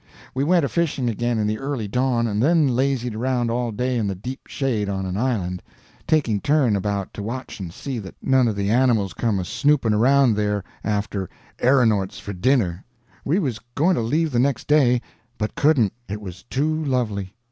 We went a fishing again in the early dawn, and then lazied around all day in the deep shade on an island, taking turn about to watch and see that none of the animals come a snooping around there after erronorts for dinner. We was going to leave the next day, but couldn't, it was too lovely.